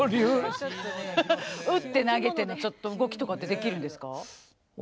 打って投げてのちょっと動きとかってできるんですか？